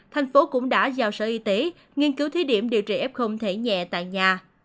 thành phố cũng đã giao sở y tế nghiên cứu thí điểm điều trị f thể nhẹ tại nhà